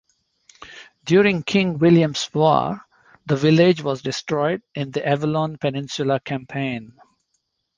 During King William's War, the village was destroyed in the Avalon Peninsula Campaign.